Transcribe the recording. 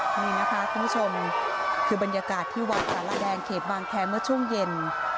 นี่นะคะคุณผู้ชมคือบรรยากาศที่วัดสารแดงเขตบางแคร์เมื่อช่วงเย็น